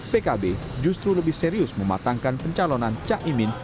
pkb justru lebih serius mematangkan pencalonan caimin